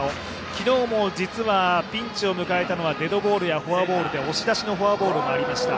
昨日も実はピンチを迎えたのはデッドボールやフォアボールで押し出しのフォアボールもありました。